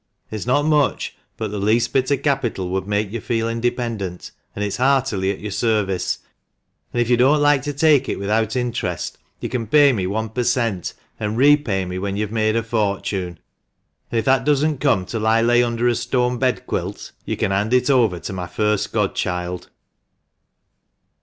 It's not much, but the least bit of capital would make you feel independent, and it's heartily at your service ; and if you don't like to take it without interest you can pay me one per cent, and repay me when you've made a fortune ; and if that doesn't come till I lay under a stone bed quilt, you can hand it over to my first godchild."